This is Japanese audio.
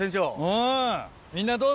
うん。